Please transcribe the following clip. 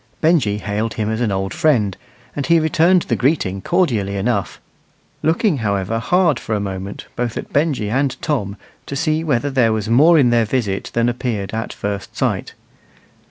Benjy hailed him as an old friend, and he returned the greeting cordially enough, looking however hard for a moment both at Benjy and Tom, to see whether there was more in their visit than appeared at first sight.